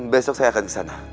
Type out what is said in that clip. besok saya akan kesana